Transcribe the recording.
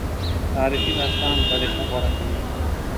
تاریخي داستان طریقه غوره کوي.